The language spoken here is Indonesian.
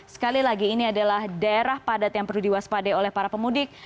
sekali lagi ini adalah daerah padat yang perlu diwaspadai oleh para pemudik